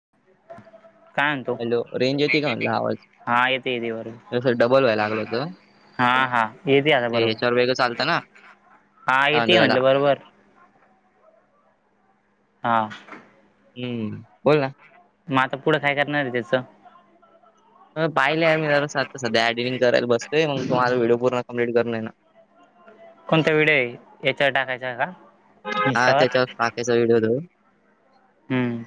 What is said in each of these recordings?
[unintelligible] काय आणतो hello range येते का म्हणलं आवाज हा येते येते वर जसं डबल व्हायला लागलं होतं हा हा येते आता ते बरोबर ह्याच्यावर वेगळं चालतं ना हा काय येत म्हणतात त्याला म्हटलं बरोबर, हा हम्म बोल ना मग आता पुढं खय करणार रे त्याचं, पहिलं मी जला सध स्याडटंग कयस बतय मग तुम्हाला्हडिओ पूणम्प्लीट करूनय ना, कोणत वेळे याच्यावर टाकायचा का? हा इंस्टावर त्याच्यावर पाक्याचा व्हडिओत, हम्म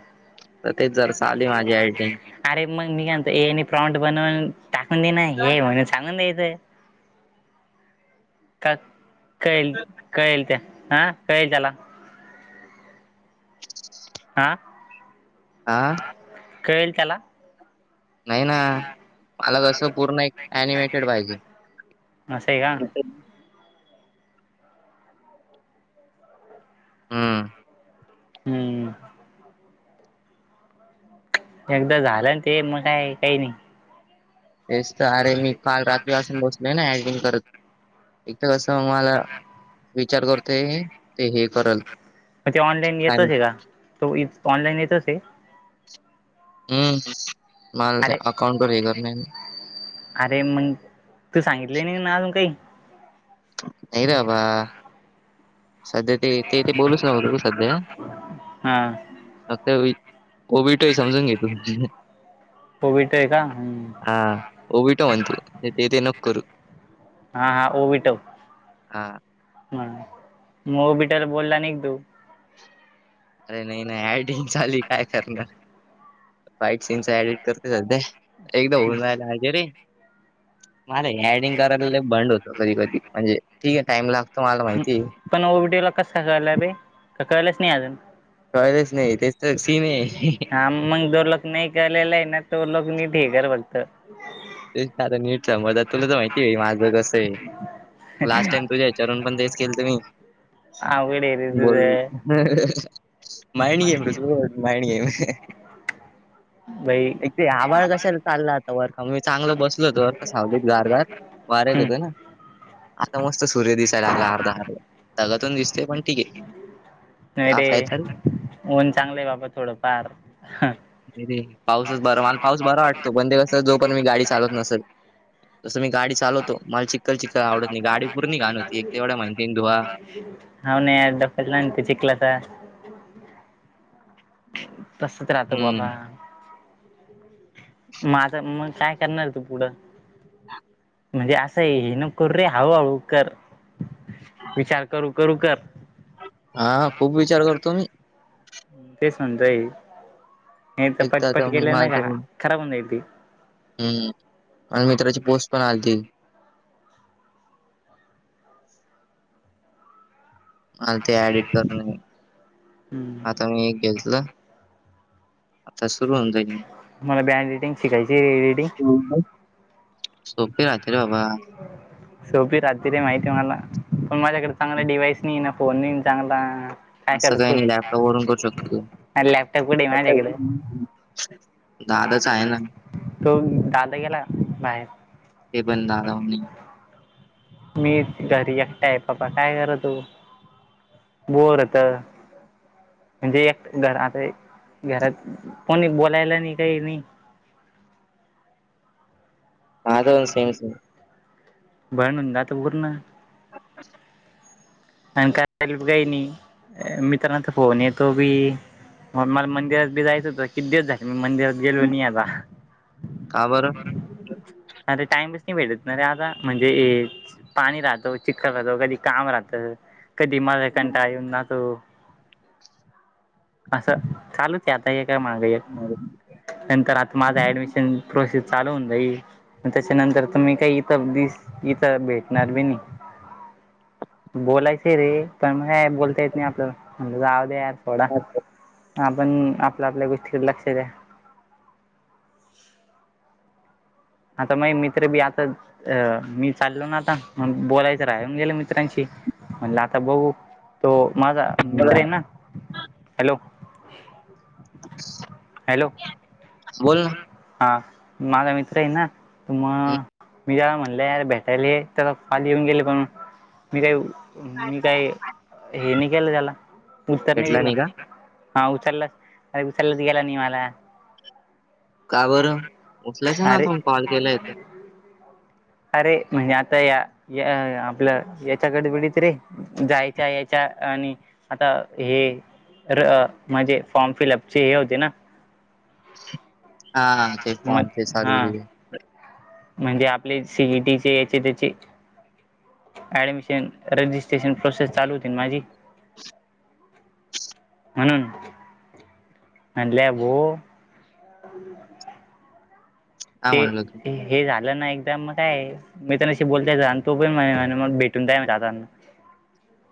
आहे माझी एडिटिंग अरे मग मीघातो ए प्रॉंट बनवून टाकून देना हे म्हणून सांगून द्यायचं. का कळेल कळेल त्या हा, कळ झाला, आह आह कैल त्याला नाही ना मला कस पूर्ण एक अनिमेटेड पाहिजे. ह स आहे का, हा हम्म एकदा झालं ना ते मग काय काही नाही. तेच तर अरे मी काल रात्री वासून बसल ना ऍक्टिंग करत. एक तर कसं मला विचार करतो ते हे करल. म्हणजे ऑनलाईन काय येतोच का तो ऑनलाईन येतोस. हम्म माल अरे अकाउंटर हे कर नाही ना, अरे मग तू सांगितले ना ना अजून काही, नाही राबा सध्या ते ते ते बोलूच नव्हत सध्या, हम्म फक्त कोविडही समजून घेतो. कोविट आहे का ह्, होीट म्हणतू ते ते नक् करू, हा हा विीटव हा हा... [unintelligible] बोलला नई तू अरे नई नई, ऍडिंग चालू ए काय करणार? फाईट सीनचा एडिट करते सध्या, एकदा होऊन राहिला हजेरीे मला हे एडिंग करायला लई बंड होतो कधी कधी, म्हणजे ठीक ए... टाइम लागतो मला माहितीये पण ओबीटीओला कसा काय [unintelligible] बे... का कळलच नाई अजून कळलच नाई... तेच तर सीन ए... हे हे हा... मग जो लुक नई केलेलं हे ना, तो लूक नीट हे कर फक्त तेच सारं नीट समजतात, तुला तर माहितीये माझं कसं ए... लास्ट टाइम तुझ्या [unintelligible] पण तेच केलतं मी अवघड है रे तुझं हं हं... माइंड गेम [unintelligible] माइंड गेम भाई एक ते आबाळ कशा चालला आता [unintelligible] चांगलं बसलं होतो बरका, सावलीत गार गार, वारं येत हम्म होतं ना आता मस्त सूर्य दिसायला लागला... अर्धा अर्धा... ढगातून दिसतोय... पण ठीके नाही रे... ऊन चांगलंय बाबा, थोडं फार नई रे... पावसाचं बरं.. मला पाऊस बरा वाटतो, पण ते कसं, जोपर्यंत मी गाडी चालवत नसल तसं मी गाडी चालवतो... मला चिखल चिखल आवडत नाई... गाडी पूर्ण घाण होती, एक तर एवढ्या मेहनतीनं धुवा हुं. हाव ना यार तब्येत [unintelligible] होते चिखलाचा तसच राहतो हम्म [unintelligible] माझं... मग काय करणार ए तू पुढं? म्हणजे असं हे नको करू रे... हळू हळू कर... विचार करू करू कर हा... खूप विचार करतो मी तेच म्हणतय... हे तर एक आता पटपट केले मला ना... ते घा... खराब होऊन जाईल ते हम्म आणि मित्राची पोस्ट पण आलती मला ते ऍडिट करणं ए... आता मी एक घेतलं आता सुरु होऊ जाईल मला बी एडिटिंग शिकायची रे... एडिटिंग [unintelligible] सोपी राहती रं बाबा सोपी राहती रे माहितीये मला, पण माझ्याकडं चांगला डिवाइस नाई ना, फोन नाई ना चांगला... काय असं काही करतो? नाही लॅपटॉप वरून करू शकतो तू. अरे... लॅपटॉप कुठंय माझ्याकडं? दादाचा हाये ना तो दादा गेला बाहेर ते पण दादा [unintelligible] मी घरी एकटा ए... [unintelligible] काय कर तू बोर होतं म्हणजे एक घर... आता घरात कोणी बोलायला नाई... काई नाई माझं पण सेमच ए [unintelligible] जातं पूर्ण [unintelligible] [unintelligible] काई नाई... मित्रांचा फोन येतो बी मग मला मंदिरात बी जायचं होतं... किती दिवस झालं मी मंदिरात गेलो नाही आता का बरं? अरे... टाईमच नाही भेटत ना रे आता. म्हणजे हेच पाणी राहतं, चिखल राहतो, कधी काम राहतं कधी मला कंटाळा येऊन जातो असं चालूच ए आता, एका मागं एक नंतर आता माझा ऍडमिशन प्रोसेस चालू होऊन जाईल... त्याच्यानंतर त मी काही [unintelligible] इथं भेटणार बी नाई, बोलाय रे पण नाय, बोलता येत नाही आपल्याला... म्हणलं जाऊ दे यार सोडा... आपण आपल्या आपल्या गोष्टींकडे लागतय काय? आता मग मित्र बी आता मी चाललो ना आता म बोलायचं राहून गेलं मित्रांशी म्हणलं आता बघू तो माझा मित्र आहे ना हॅलो! [unintelligible] हॅलो बोल ना हा माझा मित्र आहे ना हम्म मग, मी जरा म्हणलं यार भेटायला त्याला तर काल येऊन गेले पण मी काय मी काही हे नाही केलं त्याला उत्तर नाही भेटला दिलं का? हा उचलला अरे उचलच गेला नाही मला का बरं? [unintelligible] उचलायचा ना अरे! आता कॉल केलाय तर. अरे म्हणजे आता या आपलं याच्याकडे गडबडीत रे जायच्या यायच्या आणि आता हे म्हणजे फॉर्म फिलअपचे हे होते ना हा ते मग फॉर्म [unintelligible] हा चालू [unintelligible] म्हणजे आपले सी ई टी चे याचे त्याचे. ऍडमिशन रजिस्ट्रेशन प्रोसेस चालू होती माझी. म्हणून. आणल्या गो [unintelligible] काय ते म्हणलं तू हे झालं ना एकदा मग काय. मी तर शी बोलतायच आणि तो पण माझ्या भेटून [unintelligible]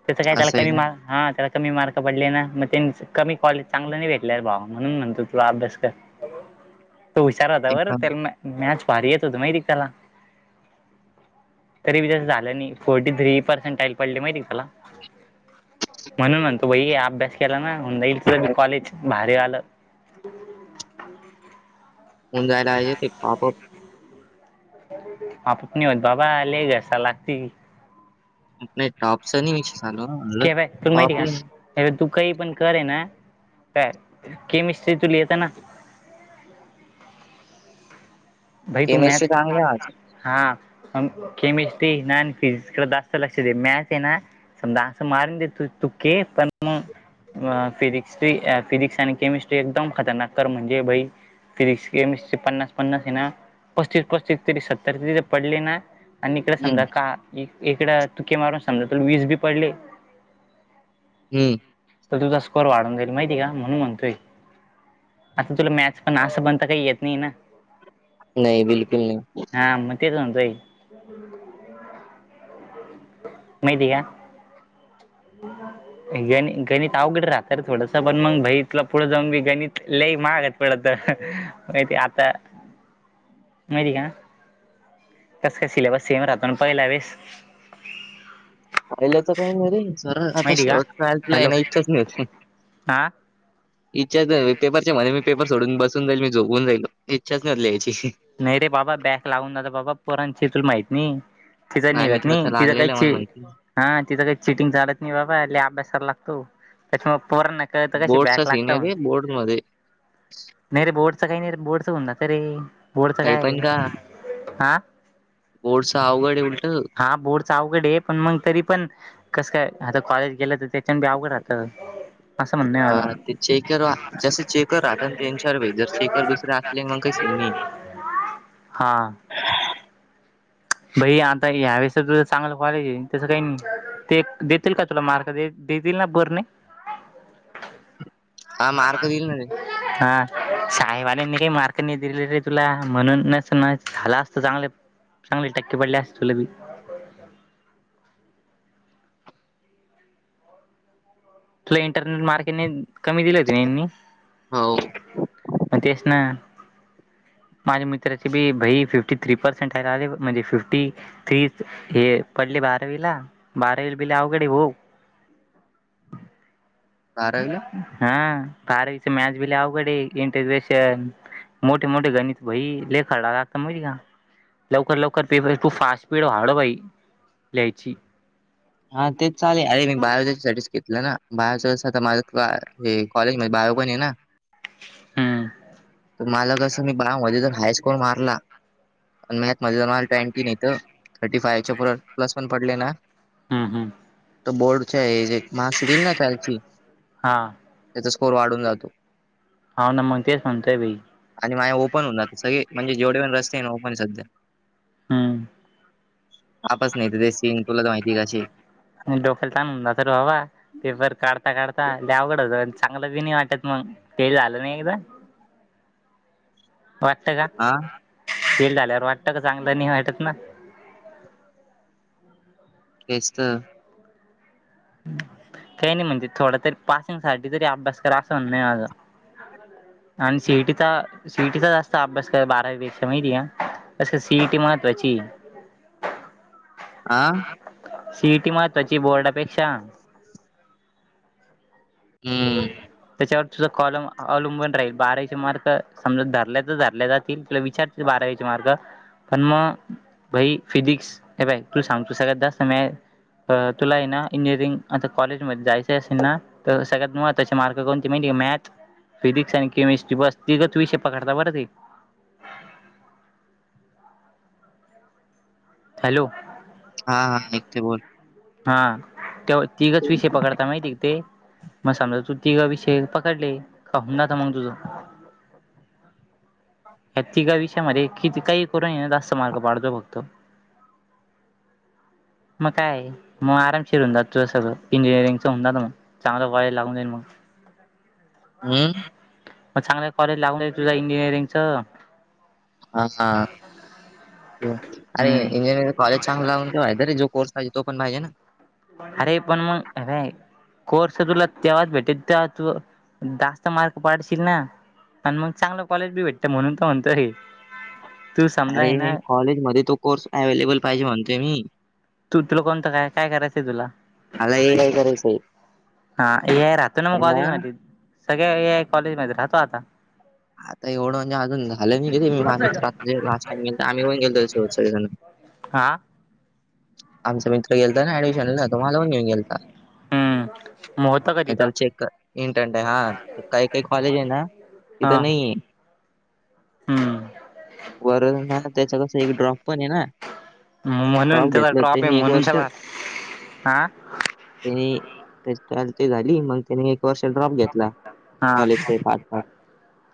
तस काय त्याला असं आहे कमी ना, [unintelligible] हा त्याला कमी मार्क पडले ना मग त्यां कमी कॉलेज चांगलं नाही भेटल्या भाव म्हणून म्हणतो तुला अभ्यास कर. तो हुशार होता ते बर पण त्याला मॅथस भारी येत होत माहित की त्याला. तरी बी त्याच झालं नाही फोर्टी थ्री परसेंटेज पडली माहिती त्याला. म्हणून म्हणतो भाई अभ्यास केला ना होऊन जाईल तुला बी कॉलेज भारीवालं होवून जायला येते आप आप आप नाही होत बाबा लई घासाय लागती. नाही टॉपच नाही विषय चालू टॉप नाही अर तू काही पण कर ना केमिस्ट्री तर तुला येत ना? भाई तू मॅथस केमिस्ट्री नादी चांगली आहे लागू माझी. नको हा केमिस्ट्री ना आणि फिजिक्स कडे जास्त लक्ष दे मॅथस आहे ना. जास्त [unintelligible] तू खेळ फिजिक्स फिजिक्स आणि केमिस्ट्री एकदम खतरनाक कर म्हणजे भाई. फिजिक्स केमिस्ट्री पन्नास पन्नास आहे ना. पस्तीस पस्तीस तरी सत्तर तरी पडले ना आणि इकडे समजा हम्म का एकडा तुके मारून समजा वीस बी पडले. हम्म तर तुझा स्कोर वाढून जाईल माहिती का म्हणून म्हणतोय. आता तुला मॅथस पण असं म्हणता काही येत नाही ना. नाही बिलकुल नाही. हा मग तेच म्हणतोय. [unintelligible] [unintelligible] माहिती का? [unintelligible] गण गणित अवघड राहत थोडस पण मग भाई पुढं जाऊन बी गणित लई महाग पडत माहिती आता. माहिती का कस का सिलेबस सेम राहतो आणि पहिला वेळेस. पहिल्याच काही नाही रे सर आता माहिती का शॉर्ट ट्रायल्थ ला हॅलो येण्या इच्छाच नाही होती. हां इच्छाच पेपरच्या मध्ये मी पेपर सोडून बसून जाईल मी झोपून जाईल इच्छाच नाही होत लिहायची. नाही रे बाबा बॅग लावून जात बाबा पोरांची तुला माहित नाही. तिथं माझ्या निघात नाही मित्राचा तिथ लागलेला आहे, काहीच मला माहिती हा तिथं काही चिटिंग चालत नाही बाबा ल अभ्यासाला लागतो त्याच्यामूळ पोर बोर्डचा सिनिरी बोर्ड म नाही रे बोर्डचं काही नाही रे बोर्डच होऊन जात रे बोर्डच काही काय पण का हा बोर्डच अवघड आहे उलट हा बोल. अवघड आहे पण मग तरी पण कस काय आता कॉलेज गेलं तर त्याच्यानी अवघड राहत हा ते चेक जस चेकर राहत त्यांन चार वे जर चेकर दुसरे असले मग काही स नाही. हां भाई आता यावेळेस तुझं चांगलं कॉलेज आहे तसं काही नाही. ते देतील का तुला मार्क देतील ना बर नाही. हा मार्ग देईल ना रे. हा साहेबल्यानी काही मार्कनी दिले रे तुला म्हणून नस न झाला असत चांगलं चांगले टक्के पडले अस तुला बी तुला इंटरनेट मार्केटने कमी दिले होते मग हो तेच ना माझ्या मित्राची बी बई फिफ्टी थ्री पर्सेंट आहेला आले म्हणजे फिफ्टी तीस हे पडली बारावीला बारावीला बेली अवघडे हो बारावीला हा बारवीच मॅच भिले अवघडे इंटशन मोठे मोठे गणित भई लेखाला लागता मज का लवकर लवकर पेप खूप फास्ट स्पीड वा्हाढ बाई लिहायची हा तेच चालेल अरे मी बायोसाठी घेतलं ना बायच तर माझ हे कॉलेज मध्ये बायो पण आहे ना हम्म मला कस मी बा मध्ये हायस्कूल मारला आणि मगत माझं जला ट्वेंटीन येत थर्टी फाइवच्या प्लस पण पडले ना हम् हम् तर बोर्ड मार्कशीट त्यालची हा त्याचा स्कोर वाढून जातो. होऊना तेच म्हणतो भाई. आणि माझ ओपन होणार सगळे म्हणजे जेवढे पण रस्ते आहे ना ओपन सध्या हम्म आपस नाही तेचीन तुला तर माहि डोखेल तण ह तरर वावा पेपर काढता काढता लवघड होत चांगलं बी नाही वाटत मग ते झालं नाही एकदा वाटत का आा फिल आल्यावर वाटतं का चांगलं नाही वाटत ना तेचत काही नाही म्हणजे थोडा तरी पासिंग साठी तरी अभ्यास करा असं म्हण नाही माझ आणि सिटीचा सिटीचा जास्त अभ्यास क बारावी पेक्षा माहिती या असं सीईटी महत्त्वाची आ सिटी महत्त्वाची बोर्डापेक्षा हम्म त्याच्यावर तुझं कॉलम अवलंबून राहील बाराशे मार्क समजा धरल्या तर धरल्या जातील तुला विचार बारावीचे मार्ग पण मग बाई फिजिक्स हे बाई तु सांगतो सगळत जास्त म तुला आहे ना इंजिनिअरिंग आता कॉलेजमध्ये जायचं असेल ना तर सगळ्यात त्याचे मार्क कोण म्हणे मॅथ फिजिक्स आणि केमिस्ट्री बस तिगच विषय पकडता बरं ते हॅलो हा हा न ते बोल हा ते्हा तिघच विसेे पकडता माहिती ते म समजा तू तिघ विषय पकडले, का हून जात मगं तुझं. [inaudible] या तिघा विषयामध्ये किती काही करून हे ना जास्तं मार्क पाडजो फक्तं. म काय? म आरामशिर हून जात तु सगळं इंजिनिअरिंगचं, हून जात मग चांगल्या कॉले लागून जाईन मगं. हम्म म चांगले कॉलेज लागून जाईन तुझा इंजिनिअरिंगच. हां हां आरे हम्म इंजिनिअरिंग कॉलेज चांगला हून कायी फायदा नाई जो कोर्स पाहिजे तो पण पाहिजे ना. आरे पण मग हे पाय कोर्स त तुला तेव्हाच भेटेल तेव्हा, तू जास्त मार्क पाडशील ना. आण मगं चांगलं कॉलेज बी भेटतं म्हणून त म्हणतो रे. अरे कॉलेज मध्ये तो कोर्स ॲव्हलेबल पाहिजे म्हणतोय मी. तू तुला कोणतं काय काय करायचंय तुला? मला ए आय करायचंय. हां ए आय राहत न मग पण ना कॉलेज मध्ये. सगळ्या ए आय कॉलेजमध्ये राहतो आता. आता एवढं म्हंजे आजून झालं नाही की ते माया मित्रा, जे लास्ट टाईम गेलत आम्ही पण गेलतो त्याच्य सोबत सगळेजण. हां. आमचा मित्र गेलता ना ऍडमिशनला तो मला पण घेऊन गेलता. म होतं का? त तिथं त्याला चेक कर इंटंट हाय हां, काही काही कॉलेज हाय ना हा तिथं नाहीये. हम्म वरद हे ना त्याचा कसं एक ड्रॉप पण हाय ना. म्हणून ड्रॉप त्याचा घेतलं ट्रॉप आहे त्यांनी एक म्हणून वर्ष त्याला आं हे त्याची टाल ते झाली मगं त्यानी एक वर्षाचा ड्रॉप घेतला हा कॉलेज हे पाहत पात.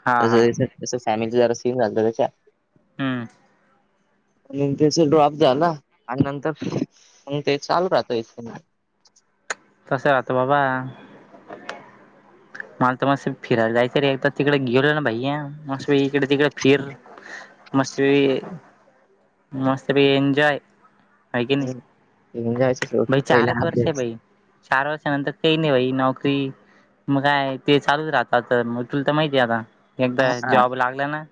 हा त्याच हा हे जसं स फॅमिली जरा सीन झालता त्याच्या. हम्म. म्हणून त्याचा ड्रॉप झाला आणि नंतर मगं ते चालू राहत [unintelligible] तसं राहतो बाबा मला तर मस्त फिरायला जायचं रे एकदा तिकडे गेल ना भैया, मस्त इकडे तिकडे फिर मस्त पैई मस्त पैकी एंजॉय. हाय की इथून नाही, जायचं भाई सोडून पहिले चारच वर्षय अभ्यास भाई. चार वर्षांनंतर ते ही नाही भाई नोकरी मग काय ते चालूच राहतात तर तुल तर माहिती आहे आता एकदा हा जॉब लागला ना